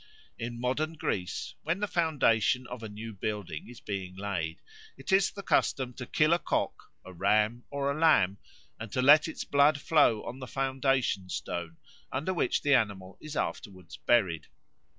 In modern Greece, when the foundation of a new building is being laid, it is the custom to kill a cock, a ram, or a lamb, and to let its blood flow on the foundation stone, under which the animal is afterwards buried.